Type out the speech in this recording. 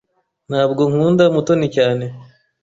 Ntabwo nkunda Mutoni cyane.